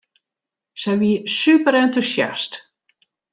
Sy wie superentûsjast.